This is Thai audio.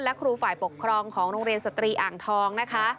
และครูฝ่ายปกครองของโรงเรียนสตรีอ่างทองนะคะ